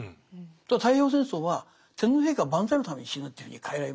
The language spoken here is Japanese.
太平洋戦争は天皇陛下万歳のために死ぬというふうに変えられましたよね。